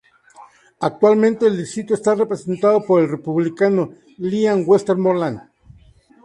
Actualmente el distrito está representado por el Republicano Lynn Westmoreland.